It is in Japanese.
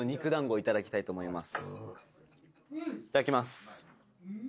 いただきます。